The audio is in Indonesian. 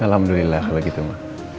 alhamdulillah kalau gitu ma